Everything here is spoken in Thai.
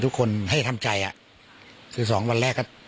ตรงนั้นเพียบแกการฟัง